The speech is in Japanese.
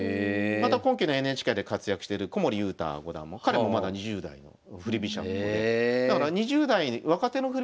また今期のＮＨＫで活躍してる古森悠太五段も彼もまだ２０代の振り飛車党で。